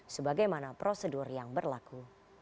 sebagaimana prosedur yang berlaku